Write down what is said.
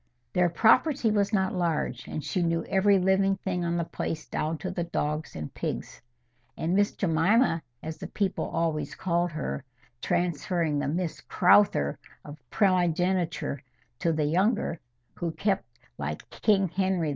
Their property was not large, and she knew every living thing on the place down to the dogs and pigs. And Miss Jemima, as the people always called her, transferring the MISS CROWTHER of primogeniture to the younger, who kept, like King Henry IV.